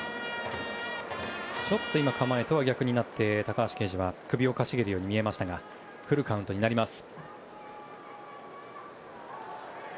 ちょっとキャッチャーの構えとは逆になって高橋奎二は首をかしげるように見えましたがフルカウントになります。